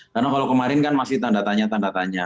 karena kalau kemarin kan masih tanda tanya tanda tanya